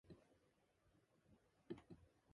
Marma was born in Bandarban district.